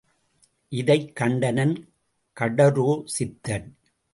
இதைக் கண்டனன் கடோர சித்தன்.